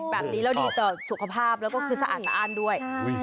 แบบนี้แล้วดีต่อสุขภาพแล้วก็คือสะอาดสะอ้านด้วย